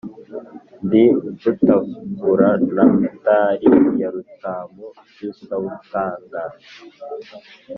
Ndi Mvutaguranamitali ya Rutamu rw'isabutanga,